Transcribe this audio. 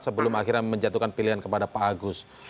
sebelum akhirnya menjatuhkan pilihan kepada pak agus